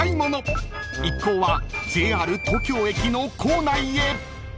［一行はＪＲ東京駅の構内へ］